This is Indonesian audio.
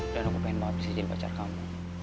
dan aku pengen banget bisa jadi pacar kamu